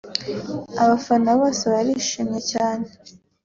Abafana bose barishimye cyane